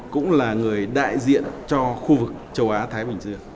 cũng là người đại diện cho khu vực châu á thái bình dương